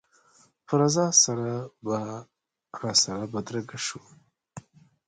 په رضا سره به راسره بدرګه شو.